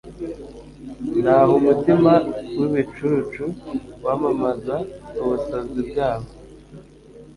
naho umutima w’ibicucu wamamaza ubusazi bwawo